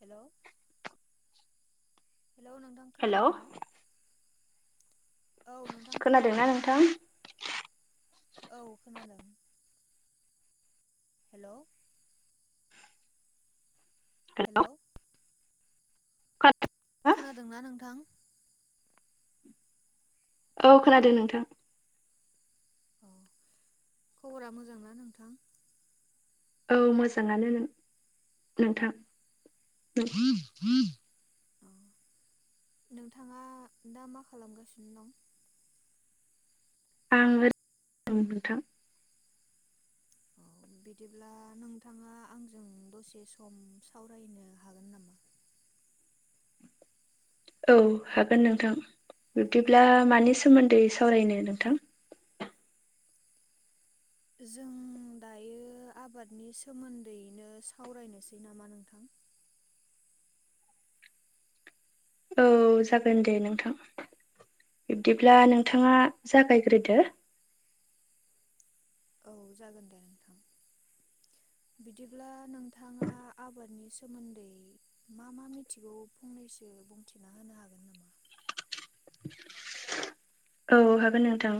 हेल' hello नोंथां hello खोनादों ना? औ नोंथां खोनादों खोनादोंना ना? नोंथां? औ खोनादों हेल'। हा हेल' [unintelligible] खोनादोंना नोंथां? औ खोनादों नोंथां। अ खबरा मोजांना नोंथां? औ मोजाङानो नों-नोंथां। अ नोंथाङा दा मा खालामगासिनो दं? आं ओरैनो दं नोंथां। अ बिदिब्ला नोंथाङा आंजों दसे सम सावरायनो हागोन नामा? औ हागोन नोंथां बिब्दिब्ला मानि सोमोन्दै सावरायनो नोंथां? जों दायो आबादनि सोमोन्दैनो सावरायनोसै नामा नोंथां? औ जागोन दे नोंथां बिब्दिब्ला नोंथाङा जागायग्रोदो औ जागोन दे नोंथां बिदिब्ला नोंथाङा आबादनि सोमोन्दै मा मा मिथिगौ फंनैसो बुंथिना होनो हागोन नामा? औ हागोन नोंथां।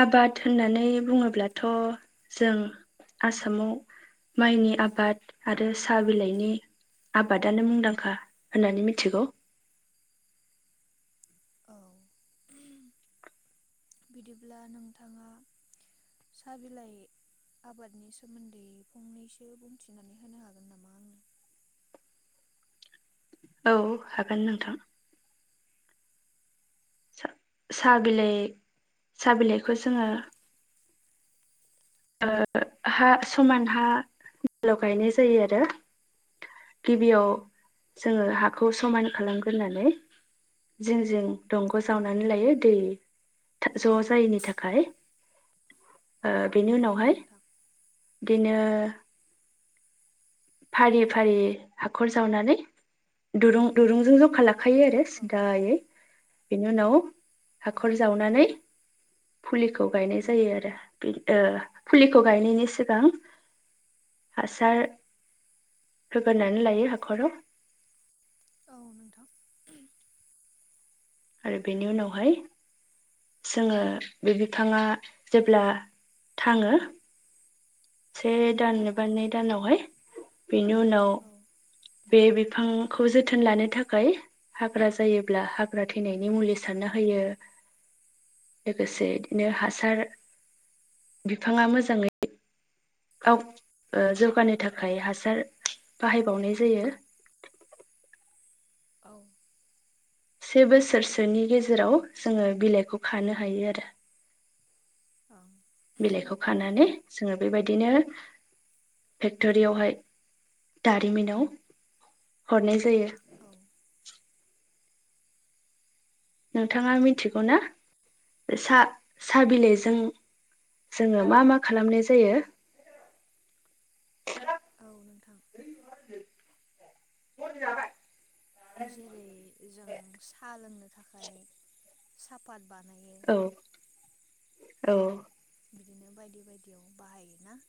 आबाद होननानै बुङोब्लाथ' जों आसामाव माइनि आबाद आरो साहा बिलाइनि आबादानो मुंदांखा होननानै मिनथिगौ। औ बिदिब्ला नोंथाङा साह बिलाइ आबादनि सोमोन्दै फंनैसो बुंथिनानै होनो हागोन नामा आंनो? औ हागोन नोंथां। सा-साहा बिलाइ साहा बिलाइखौ जोङो ओ हा समान हा [inaudible] गायनाय जायो आरो। गिबियाव जोङो हाखौ समान खालामग्रोनानै जिं जिं दंग' औ जावनानै नोंथां लायो दै ज' जायैनि थाखाय ओ बेनि औ उनावहाय नोंथां बिदिनो फारि फारि हाखर सावनानै दुरुं-दुरुंजों जखा लाखायो आरो। औ सिदायै बेनि उनाव औ हाखर नोंथां जावनानै फुलिखौ गायनाय जायो आरो ओ फुलिखौ गायनायनि सिगां हासार होगोरनानै लायो हाखराव औ नोंथां। आरो बेनि उनावहाय जोङो बे बिफाङा जेब्ला थाङो से औ दान नोंथां एबा नै दानावहाय बेनि उनाव औ बे बिफांखौ जोथोन लानो थाखाय हाग्रा जायोब्ला हाग्रा थैनायनि मुलि सारना होयो लोगोसे इदिनो हासार बिफाङा मोजाङै गाव ओ जौगानो थाखाय हासार बाहायबावनाय जायो। औ से बोसोरसोनि गेजेराव जोङो बिलाइखौ खानो हायो आरो। ओं बिलाइखौ खानानै जोङो बेबायदिनो फेक्ट'रियावहाय दारिमिनाव हरनाय जायो। औ नोंथाङा मिथिगौ ना? सा-सा बिलाइजों जोङो मा मा खालामनाय जायो? औ नोंथां जेरै जों सा लोंनो थाखाय साहापत बानायो। औ औ बिदिनो बायदि बायदियाव बाहायोना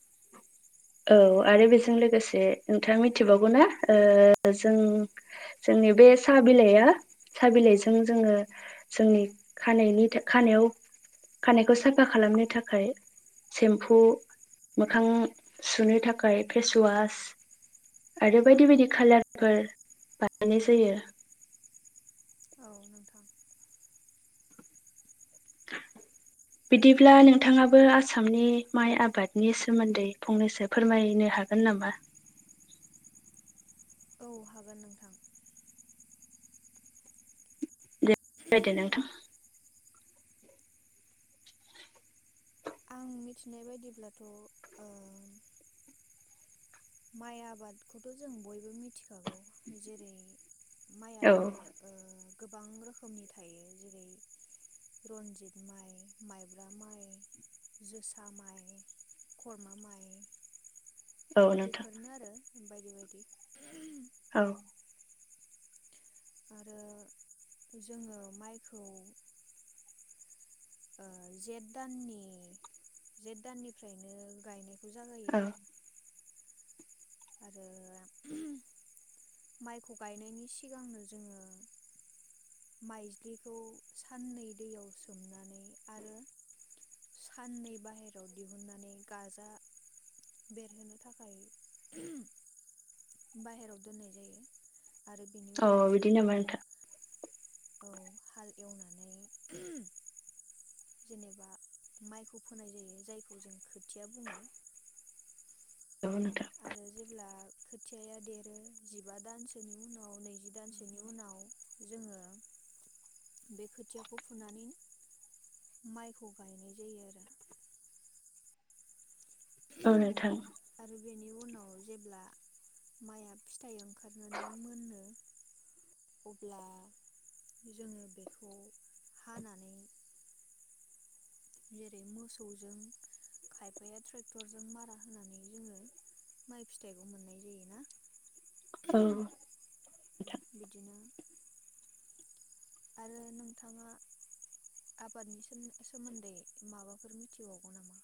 औ आरो बेजों लोगोसे नोंथाङा मिथिबावगौ ना ओ जों जोंनि बे सा बिलाइआ सा बिलाइजों जोङो जोंनि खानायनि खानायाव खानायखौ साफा खालामनो थाखाय सेम्फु मोखां सुनो थाखाय फेसवास आरो बायदि बायदि खाालारफोर बानायनाय जायो। औ नोंथां। [unintelligible] बिदिब्ला नोंथाङाबो आसामनि माइ आबादनि सोमोन्दै फंनैसो फोरमायनो हागोन ननामा? औ हागोन नोंथां। यदो नोंथां। आं मिथिनाय बायदिब्लाथ' ओ माइ आब ओ औ गोबां रोखोमनि थायो जेरै रन्जित माइ माइब्रा माइ जोसा माइ खरमा माइ औ नोंथां बेफोरनो आरो बायदि बायदि। औ आरो जोङो माइखौ ओ जेठ दाननि जेठ दाननिफ्रायनो गायनायखौ जागायो। औ आरो माइखौ गायनायनि सिगांनो जोङो माइज्लिखौ साननै दैयाव सोमनानै आरो साननै बाहेराव दिहुननानै गाजा बेरहोनो थाखाय बाहेरायाव दोननाय जायो‌ आरो बेनि औ उनावसो बिदि नामा जोङो औ हाल एवनानै जेनेबा माइखौ फोनाय जायो‌। जायखौ जों खोथिया बुङो। नोंगौ नोंथां। आरो जेब्ला खोथियाया देरो जिबा दानसोनि उनाव, नैजि दानसोनि उनाव जोङो बे खोथियाखौ फुनानै माइखौ गायनाय जायो आरो‌‌‍‌। औ नोथां। आरो बेनि उनाव जेब्ला माइआ फिथाइ ओंखारनानै मोननो अब्ला जोङो बेखौ हानानै जेरै मोसौजों खायफाया ट्रेक्टरजों मारा होनानै जोङो माइ फिथाइखौ मोननाय जायोना? औ बिदिनो आरो नोंथाङा आबादनि सोमोन्दै माबाफोर मिथिबावगौ नामा?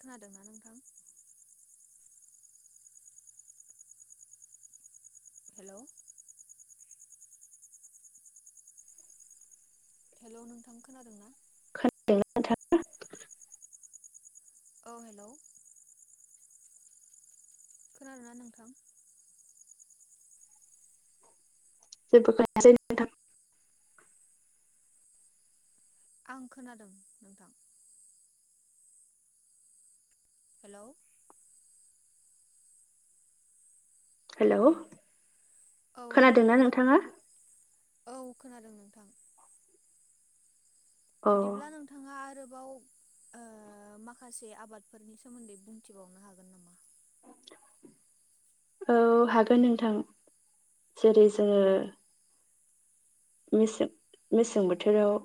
खोनादोंना नोंथां? हेल'। हेल' नोंथां खोनादों ना? खोनादों नोंथां। औ हेल'। खोनादोंना नोंथां? जेबो खोनासै नोंथां। आं खोनादों नोंथां। हेल'। हेल'। औ नोंथाङा बिदि, औ खोनादों नोंथां। अ बिदिब्ला नोंथां नोंथाङा आरोबाव ओ माखासे आबादफोरनि सोमोन्दै बुंथिबावनो हागोन नामा? औ हागोन नोंथां जेरै जोङो मेसें मेसें बोथोराव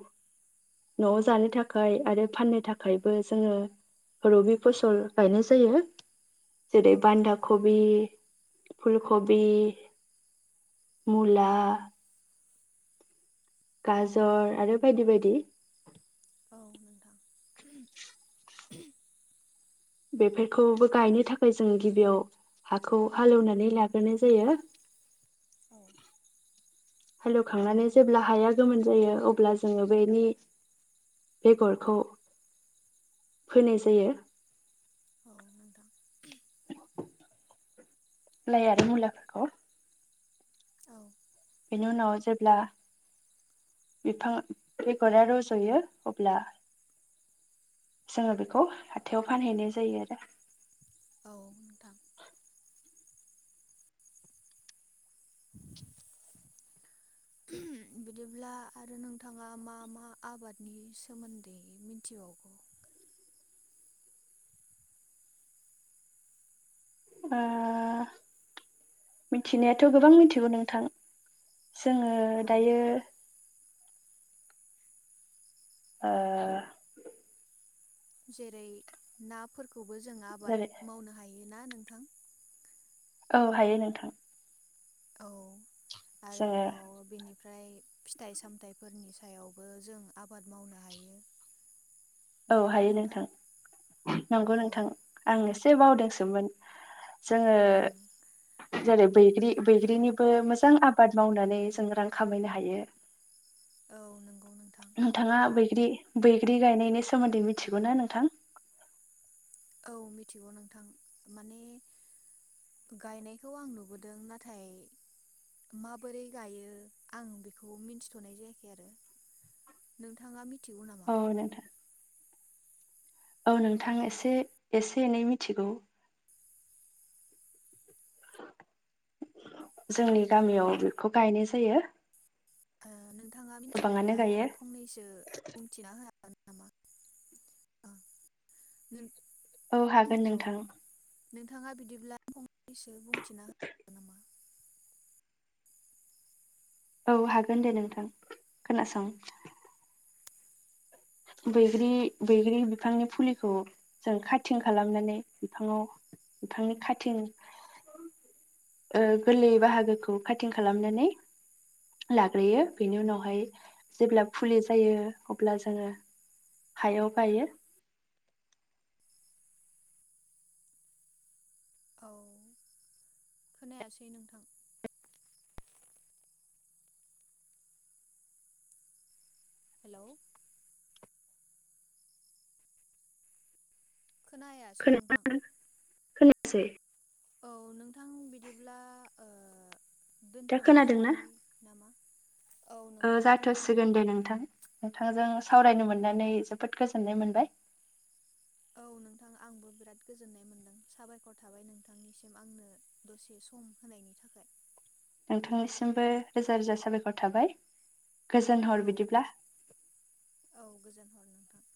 न'आव जानो थाखाय आरो फाननो थाखायबो जोङो रबि फसल गायनाय जायो औ जेरै बान्दा नोंथां कबि फुलकबि मुला गाजर आरो बायदि बायदि। औ नोंथां बेफोरखौबो गायनो थाखाय जों गिबियाव हाखौ हालेवनानै लाग्रोनाय जायो। औ हालेवखांनानै जेब्ला हाया गोमोन जायो अब्ला जोङो बेनि बेगरखौ फोनाय जायो। औ नोंथां। लाइ आरो मुलाफोरखौ औ। बेनि उनाव जेब्ला बिफां बेगरा रज'यो अब्ला जोङो बेखौ हाथायाव फानहैनाय जायो आरो‌। औ नोंथां। [unintelligible] [unintelligible] बिदिब्ला आरो नोंथाङा मा मा आबादनि सोमोन्दै मिथिबावगौ? ओ मिथिनायाथ गोबां मिथिगौ नोंथां। जोङो औ दायो। ओ जेरै नाफोरखौबो जों आबाद जेरै मावनो हायोना नोंथां औ हायो नोंथां। औ जोङो आरोबाव बेनि ओमफ्राय फिथाइ सामथाइफोरनि सायावबो जों आबाद मावनो हायो। [inaudible] औ हायो नोंथां नंगौ औ नोंथां। आं एसे बावदोंसोमोन जोङो ओं जेरै बैग्रि बैग्रिनिबो मोजां आबाद मावनानै जों रां खामायनो हायो। औ नोंगौ नोंथां। नोंथाङा बैग्रि बैग्रि गायनायनि सोमोन्दै मिथिगौ ना नोंथां? औ मिथिगौ नोंथां माने गायनायखौ आं नुबोदों नाथाय माबोरै गायो आं बेखौ मिन्थिथनाय जायाखै आरो नोंथाङा मिथिगौ नामा औ नोंथां औ नोंथां एसे एसे एनै मिथिगौ जोंनि गामियाव बेखौ गायनाय जायो। ओ नोंथाङा गोबाङानो मिथिगौब्ला गायो फंनैसो बुंथिना होनो हागोन नामा औ [unintelligible] नों हागोन औ नोंथां नोंथाङा बिदिब्ला फंनैसो बुंथिना हो नामा [inaudible] औ हागोन दे नोंथां खोनासं बैग्रि बैग्रि बिफांनि फुलिखौ जों काथिं खालामनानै बिफाङाव बिफांनि खाथिं ओ गोरलै बाहागोखौ काटिं खालामनानै लाग्रोयो बेनि उनावहाय जेब्ला फुलि जायो अब्ला जोङो हायाव गायो। औ खोनायासै नोंथां। हेलौ। खोनायासै खोनादोंना नोंथां। खोनायासै? औ नोंथां बिदिब्ला ओ दा दोनथ'नैसै खोनादोंना? नामा? औ ओ नोंथां खोनादों। जाथ'सिगोन दे नोंथां। नोंथांजों सावरायनो मोननानै जोबोद गोजोननाय मोनबाय। औ नोंथां आंबो बिराद गोजोननाय मोन्दों। साबायख'र थाबाय नोंथांनिसिम आंनो दसे सम होनायनि थाखाय नोंथांनिसिमबो रोजा रोजा साबायखर थाबाय गोजोन औ हर बिदिब्ला। औ गोजोन हर नोंथां।